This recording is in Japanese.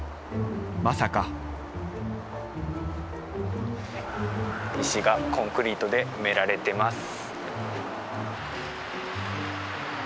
まさか石がコンクリートで埋められてます。